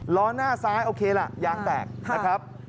ล้อหน้าซ้ายโอเคล่ะยางแตกนะครับ